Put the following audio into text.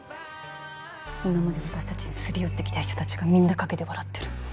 今まで私たちにすり寄ってきた人たちがみんな陰で笑ってる。